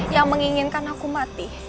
yang menginginkan aku mati